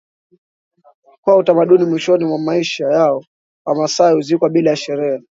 Kwa utamaduni mwishoni mwa maisha yao Wamasai huzikwa bila ya sherehe